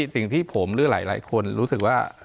สิ่งที่ผมหรือหลายคนรู้สึกว่า